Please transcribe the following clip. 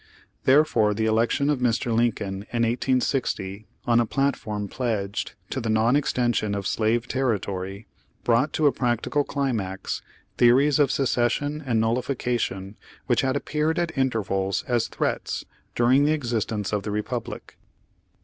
Therefore the election of Mr. Lin coln in 1860, on a platform pledged to the non extension of slave territory, brought to a practical climax theories of secession and nullification which had appeared at intervals as threats, during the existence of the Republic.